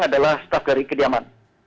adalah staf dari kediaman